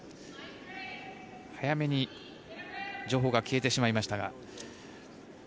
早めに情報が消えてしまいましたが。